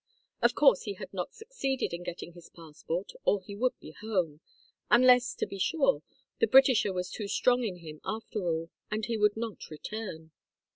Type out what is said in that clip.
Of course he had not succeeded in getting his passport or he would be home unless, to be sure, the Britisher was too strong in him after all, and he would not return.